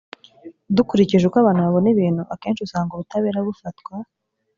dukurikije uko abantu babona ibintu akenshi usanga ubutabera bufatwa